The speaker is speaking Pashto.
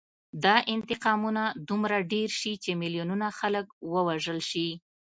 دا انتقامونه دومره ډېر شي چې میلیونونه خلک ووژل شي